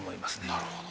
なるほど。